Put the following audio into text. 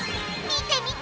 見て！